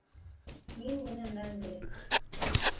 Мин генә мәңгелек!